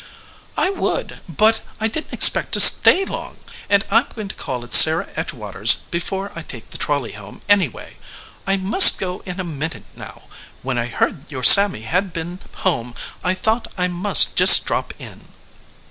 "I would, but I didn t expect to stay long, and I m going to call at Sarah Edge water s before I take the trolley home, anyway. I must go in a minute now. When I heard your Sammy had been home I thought I must just drop in."